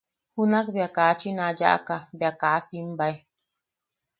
Junak bea kachin a yaʼaka bea kaa simbae.